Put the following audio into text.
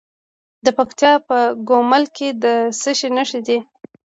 د پکتیکا په ګومل کې د څه شي نښې دي؟